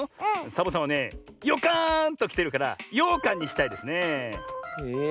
サボさんはねヨカーンときてるからようかんにしたいですねえ。